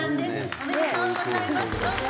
おめでとうございます。